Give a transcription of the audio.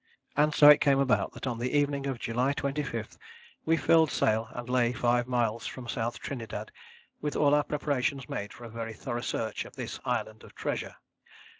And so it came about that on the evening of July 25 we furled sail and lay five miles from South Trinidad with all our preparations made for a very thorough search of this island of treasure.